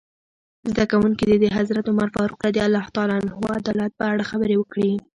زده کوونکي دې د حضرت عمر فاروق رض عدالت په اړه خبرې وکړي.